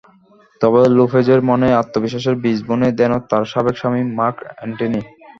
তবে লোপেজের মনে আত্মবিশ্বাসের বীজ বুনে দেন তাঁর সাবেক স্বামী মার্ক অ্যান্টনি।